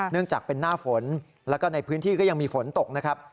จากเป็นหน้าฝนแล้วก็ในพื้นที่ก็ยังมีฝนตกนะครับ